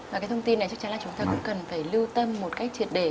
và cái thông tin này chắc chắn là chúng ta cũng cần phải lưu tâm một cách triệt để